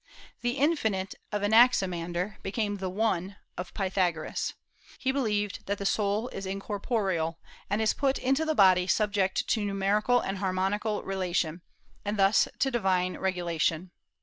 The Infinite of Anaximander became the One of Pythagoras. He believed that the soul is incorporeal, and is put into the body subject to numerical and harmonical relation, and thus to divine regulation.